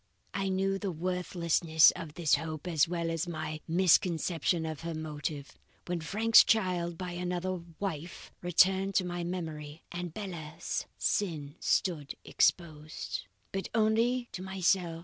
"But I knew the worthlessness of this hope as well as my misconception of her motive, when Frank's child by another wife returned to my memory, and Bella's sin stood exposed." "But only to myself.